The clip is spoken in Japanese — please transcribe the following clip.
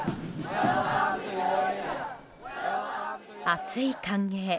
熱い歓迎。